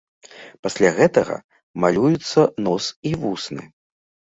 Пасля гэтага малююцца нос і вусны.